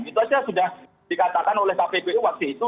itu saja sudah dikatakan oleh kppu waktu itu